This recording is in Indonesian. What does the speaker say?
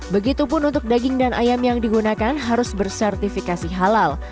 begitupun untuk daging dan ayam yang digunakan harus bersertifikasi halal